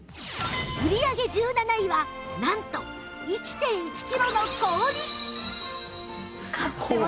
売り上げ１７位はなんと １．１ キロの氷